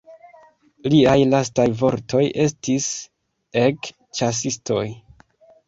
Liaj lastaj vortoj estis: "Ek, ĉasistoj!